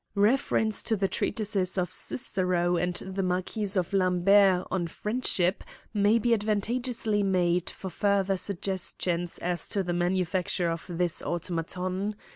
Eeference to the treatises of Cicero and the Marquise of Lambert on "Friendship " may be advantage ously made for further suggestions as to the manufacture of this automaton.